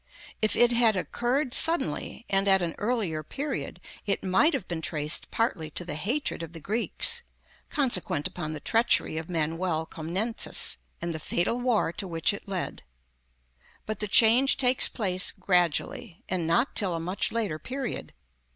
If it had occurred suddenly, and at an earlier period, it might have been traced partly to the hatred of the Greeks, consequent upon the treachery of Manuel Comnenus, and the fatal war to which it led; but the change takes place gradually, and not till a much later period.